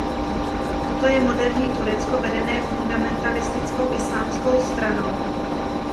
Toto je moderní Turecko, vedené fundamentalistickou islámskou stranou.